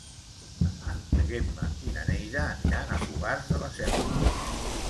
Demà na Gemma i na Neida aniran a Fogars de la Selva.